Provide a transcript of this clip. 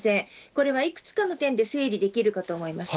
これはいくつかの点で整理できるかと思います。